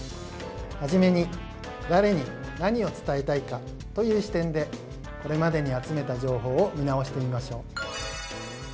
初めに誰に何を伝えたいかという視点でこれまでに集めた情報を見直してみましょう。